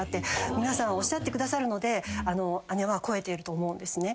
皆さんおっしゃってくださるので姉は肥えていると思うんですね。